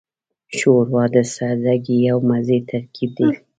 ښوروا د سادګۍ او مزې ترکیب دی.